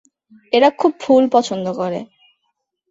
এরা খুব ফুল পছন্দ করে।